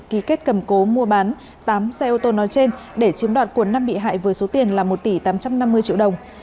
ký kết cầm cố mua bán tám xe ô tô nói trên để chiếm đoạt cuốn năm bị hại với số tiền là một tỷ tám trăm năm mươi triệu đồng